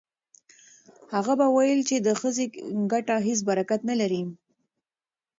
اغا به ویل چې د ښځې ګټه هیڅ برکت نه لري.